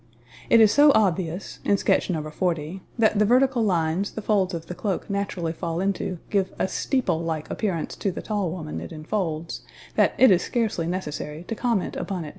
It is so obvious, in sketch No. 40, that the vertical lines the folds of the cloak naturally fall into give a steeple like appearance to the tall woman it enfolds, that it is scarcely necessary to comment upon it.